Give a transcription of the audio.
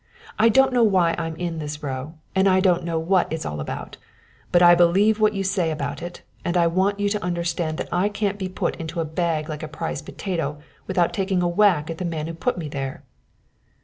I don't know why I'm in this row, and I don't know what it's all about, but I believe what you say about it; and I want you to understand that I can't be put in a bag like a prize potato without taking a whack at the man who put me there."